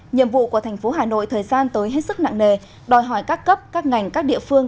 nhiệm vụ của thành phố hà nội thời gian tới hết sức nặng nề đòi hỏi các cấp các ngành các địa phương